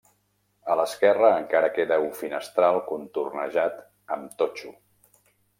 A l'esquerra encara queda un finestral contornejat amb totxo.